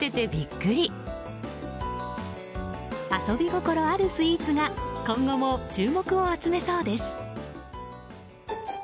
遊び心あるスイーツが今後も注目を集めそうです。